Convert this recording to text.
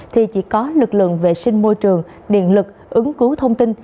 thì chỉ có lực lượng vệ sinh môi trường điện lực ứng cứu thông tin